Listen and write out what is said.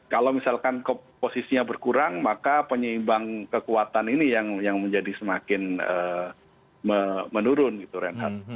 kalau misalkan posisinya berkurang maka penyeimbang kekuatan ini yang menjadi semakin menurun gitu renhat